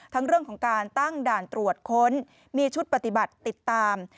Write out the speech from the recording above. ทั้งเรื่องของการตั้งด่านตรวจค้นมีชุดปฏิบัติติดตาม